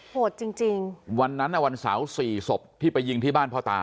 โหดจริงจริงวันนั้นอ่ะวันเสาร์สี่ศพที่ไปยิงที่บ้านพ่อตา